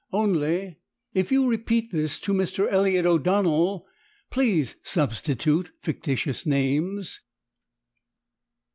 Only if you repeat this to Mr. Elliott O'Donnell, please substitute fictitious names.